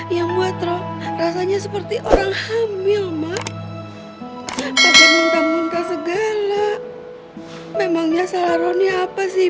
yang buat roh rasanya seperti orang hamil maka minta minta segala memangnya salah roh ini apa sih